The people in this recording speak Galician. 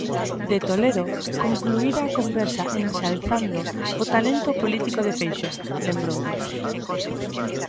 De Toledo concluíra a conversa enxalzando "o talento político de Feixóo", lembrou Díaz.